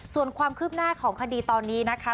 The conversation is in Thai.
ส่วนความคืบหน้าของคดีตอนนี้นะคะ